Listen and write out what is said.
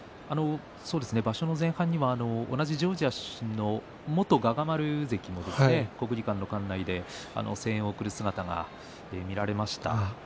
場所の前半には同じジョージア出身の元臥牙丸関が国技館で声援を送る姿が見られました。